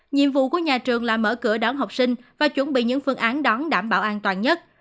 nhiệm vụ của nhà trường là mở cửa đón học sinh và chuẩn bị những phương án đón đảm bảo an toàn nhất